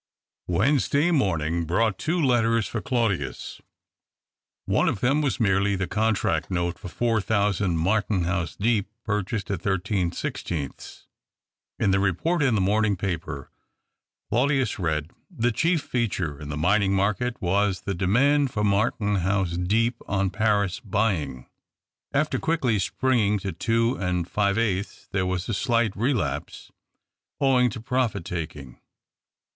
Wednesday morning brought two letters for Claudius. One of them was merely the con tract note for four thousand Martenhuis Deep purchased at thirteen sixteenths. In the report in the morning paper Claudius read :" The chief feature in the minincr market was the demand for Martenhuis Deep on Paris buying. After quickly springing to two and five eighths, there was a slight relapse owing to profit taking.